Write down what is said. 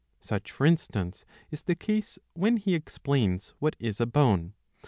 Such, for instance, is the case when he explains what is a bone.